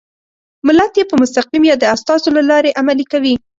ملت یې په مستقیم یا د استازو له لارې عملي کوي.